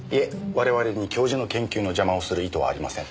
我々に教授の研究の邪魔をする意図はありません。